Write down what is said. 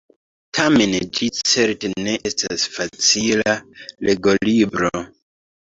Tamen ĝi certe ne estas facila legolibro!